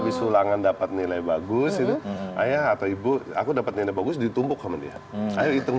habis ulangan dapat nilai bagus itu ayah atau ibu aku dapat nilai bagus ditumpuk sama dia ayo hitung